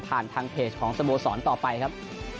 ทางเพจของสโมสรต่อไปครับ